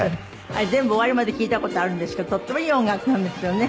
あれ全部終わりまで聴いた事あるんですけどとってもいい音楽なんですよね。